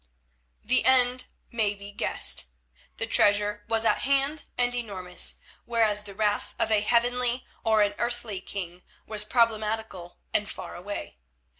The end may be guessed. The treasure was at hand and enormous, whereas the wrath of a Heavenly or an earthly king was problematical and far away.